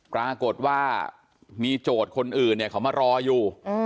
ปรากฏว่ามีโจทย์คนอื่นเขามารออยู่